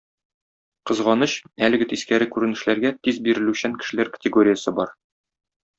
Кызганыч, әлеге тискәре күренешләргә тиз бирелүчән кешеләр категориясе бар.